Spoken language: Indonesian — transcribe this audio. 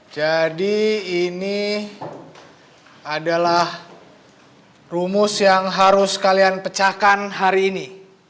jadi ini adalah rumus yang harus kalian pecahkan hari ini